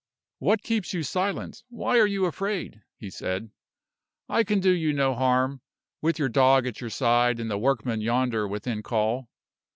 "What keeps you silent? Why are you afraid?" he said. "I can do you no harm, with your dog at your side, and the workmen yonder within call.